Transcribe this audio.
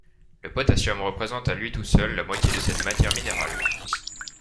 Le potassium représente à lui tout seul la moitié de cette matière minérale.